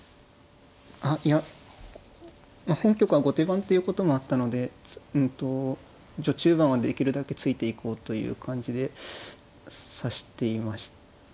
あいや本局は後手番ということもあったのでうんと序中盤はできるだけついていこうという感じで指していました。